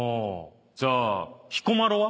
じゃあ彦摩呂は？